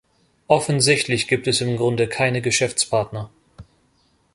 Offensichtlich gibt es im Grunde keine Geschäftspartner.